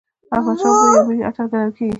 احمدشاه بابا یو ملي اتل ګڼل کېږي.